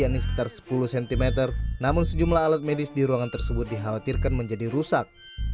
ini sekitar sepuluh cm namun sejumlah alat medis di ruangan tersebut dikhawatirkan menjadi rusak